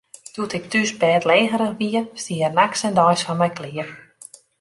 Doe't ik thús bêdlegerich wie, stie er nachts en deis foar my klear.